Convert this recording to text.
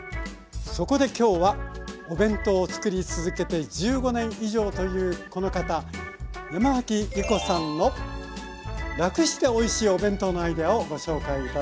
そこで今日はお弁当をつくり続けて１５年以上というこの方山脇りこさんのラクしておいしいお弁当のアイデアをご紹介頂きます。